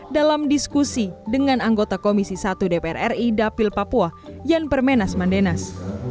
dalam diskusi dengan anggota komisi satu dpr ri dapil papua yan permenas mandenas